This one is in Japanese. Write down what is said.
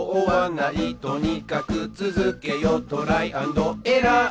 「とにかくつづけよトライ＆エラー」